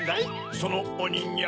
そのおにんぎょう。